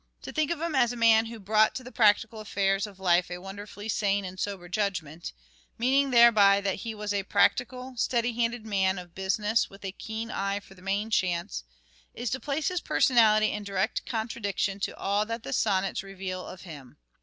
To think of him as a man who " brought to the practical affairs of life a wonderfully sane and sober judgment," meaning thereby that he was a practical steady headed man of business with a keen eye for the " main chance," is to place his personality in direct contradiction to all that the sonnets reveal of him.